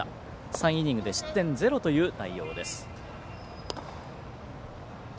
３イニングで失点０という内容です。